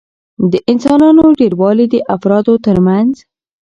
د انسانانو ډېروالي د افرادو ترمنځ